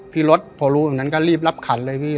พี่รถพอรู้แบบนั้นก็รีบรับขันเลยพี่